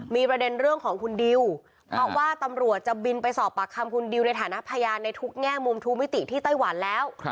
มีประเด็นเรื่องของคุณดิวเพราะว่าตำรวจจะบินไปสอบปากคำคุณดิวในฐานะพยานในทุกแง่มุมทุกมิติที่ไต้หวันแล้ว